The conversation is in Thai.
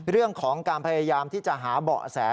เรื่องของการพยายามที่จะหาเบาะแส